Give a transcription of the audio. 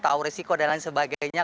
tahu risiko dan lain sebagainya